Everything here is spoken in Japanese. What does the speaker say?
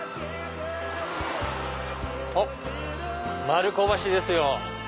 おっ丸子橋ですよ。